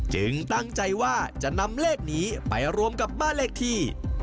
ตั้งใจว่าจะนำเลขนี้ไปรวมกับบ้านเลขที่